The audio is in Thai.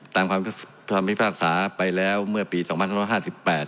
ตามความคิดคำพิพากษาไปแล้วเมื่อปีเมือปีสองพิคุณฮสหกห้าดสิบแปด